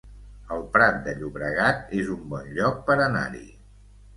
El Prat de Llobregat es un bon lloc per anar-hi